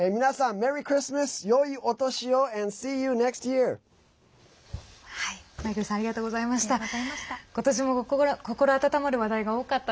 マイケルさんありがとうございました。